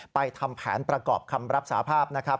ทำแผนประกอบคำรับสาภาพนะครับ